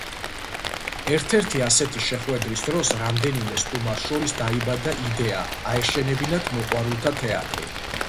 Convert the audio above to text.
ერთ-ერთი ასეთი შეხვედრის დროს რამდენიმე სტუმარს შორის დაიბადა იდეა აეშენებინათ მოყვარულთა თეატრი.